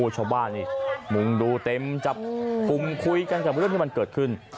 ชาวบ้านนี่มุงดูเต็มจับกลุ่มคุยกันกับเรื่องที่มันเกิดขึ้น